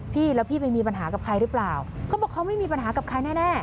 พี่แล้วพี่ไปมีปัญหากับใครหรือเปล่าเขาบอกเขาไม่มีปัญหากับใครแน่